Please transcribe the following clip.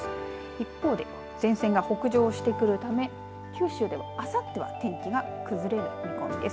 一方で前線が北上してくるため九州ではあさっては天気が崩れる見込みです。